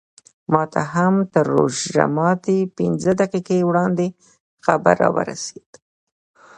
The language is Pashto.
ماته هم تر روژه ماتي پینځه دقیقې وړاندې خبر راورسېد.